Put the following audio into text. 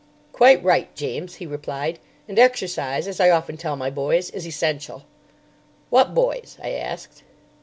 "Quite right, James," he replied; "and exercise, as I often tell my boys, is essential." "What boys?" I asked.